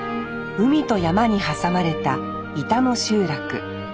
海と山に挟まれた井田の集落。